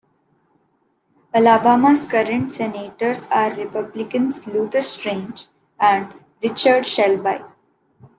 Alabama's current senators are Republicans Luther Strange and Richard Shelby.